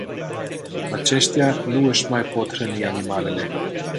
Aceștia nu își mai pot hrăni animalele.